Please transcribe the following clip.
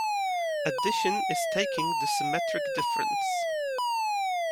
Addition is taking the symmetric difference.